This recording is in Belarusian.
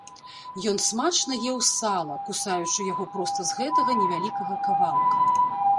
Ён смачна еў сала, кусаючы яго проста з гэтага невялікага кавалка.